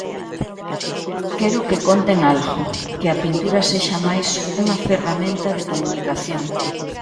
Quero que conten algo, que a pintura sexa máis unha ferramenta de comunicación.